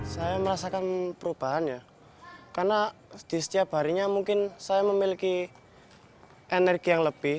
saya merasakan perubahan ya karena di setiap harinya mungkin saya memiliki energi yang lebih